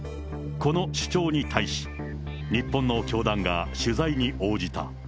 この主張に対し、日本の教団が取材に応じた。